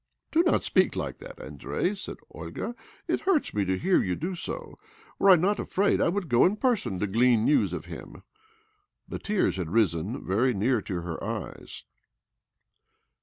''Do not speak like that, Andrei," said Olga. ' It hurts me to hear you do so. Were I not afraid, I would go in person to glean news of him." The tears had risen very nea"r to her eyes.